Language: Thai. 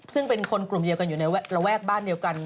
ซึ่งเป็นคนกลุ่มเดียวกันอยู่ในระแวกบ้านเดียวกัน